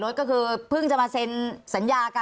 คุณเอกวีสนิทกับเจ้าแม็กซ์แค่ไหนคะ